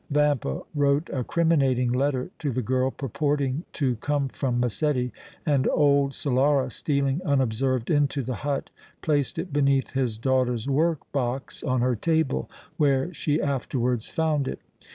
Vampa wrote a criminating letter to the girl purporting to come from Massetti, and old Solara, stealing unobserved into the hut, placed it beneath his daughter's work box on her table where she afterwards found it.